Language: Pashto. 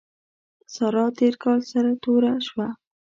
سارا تېر کال سر توره شوه.